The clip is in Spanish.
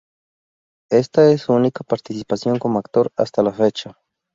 Esta es su única participación como actor hasta la fecha.